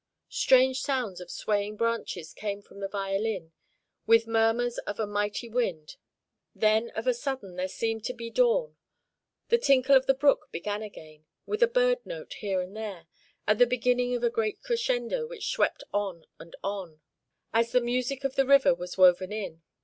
Strange sounds of swaying branches came from the violin, with murmurs of a mighty wind, then, of a sudden, there seemed to be dawn. The tinkle of the brook began again, with a bird note here and there, at the beginning of a great crescendo which swept on and on, as the music of the river was woven in.